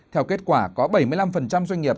theo kết quả có bảy mươi năm doanh nghiệp